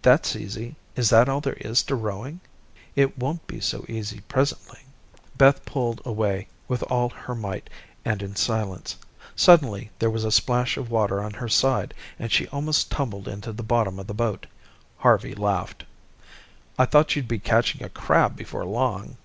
"That's easy. Is that all there is to rowing?" "It won't be so easy presently." Beth pulled away with ail her might, and in silence. Suddenly, there was a splash of water on her side, and she almost tumbled into the bottom of the boat. Harvey laughed. "I thought you'd be catching a crab before long."